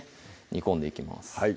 煮込んでいきます